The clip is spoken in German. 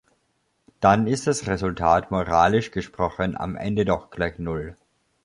Dann ist das Resultat moralisch gesprochen am Ende doch gleich Null.